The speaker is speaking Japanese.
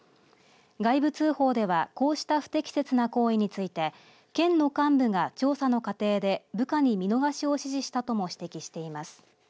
外部通報ではこうした不適切な行為について県の幹部が調査の過程で部下に見逃しを支持したとも指摘しています。